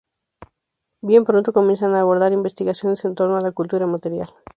Bien pronto comienzan a abordar investigaciones en torno a la cultura material.